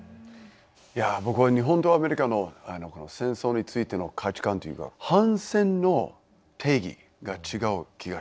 いや僕は日本とアメリカの戦争についての価値観というか反戦の定義が違う気がしますね。